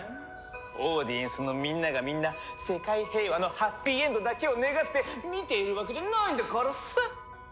オーディエンスのみんながみんな世界平和のハッピーエンドだけを願って見ているわけじゃないんだからさ。